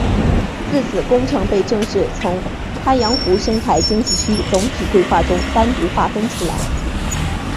自此工程被正式从鄱阳湖生态经济区总体规划中单独划分出来。